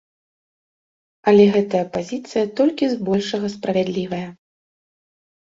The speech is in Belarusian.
Але гэтая пазіцыя толькі збольшага справядлівая.